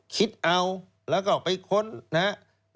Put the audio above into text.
คิดเอาแล้วก็ไปค้นนะครับ